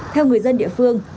theo người dân địa phương